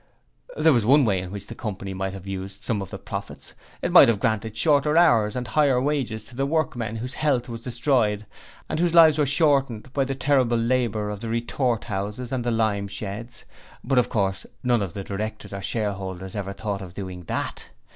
There was one way in which the Company might have used some of the profits: it might have granted shorter hours and higher wages to the workmen whose health was destroyed and whose lives were shortened by the terrible labour of the retort houses and the limesheds; but of course none of the directors or shareholders ever thought of doing that.